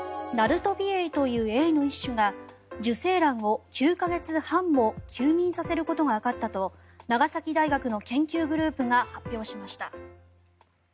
ナルトビエイというエイの一種が受精卵を９か月半も休眠させることがわかったと長崎大学の研究グループが発表しました。